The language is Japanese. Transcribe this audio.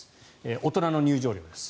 大人の入場料です。